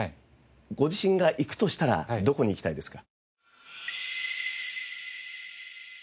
ご自身が行くとしたらどこに行きたいですか？